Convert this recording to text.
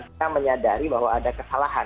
kita menyadari bahwa ada kesalahan